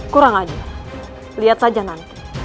kurang aja lihat saja nanti